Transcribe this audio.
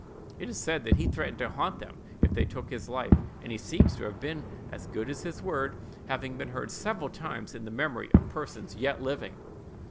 It is said that he threatened to haunt them if they took his life; and he seems to have been as good as his word, having been heard several times in the memory of persons yet living.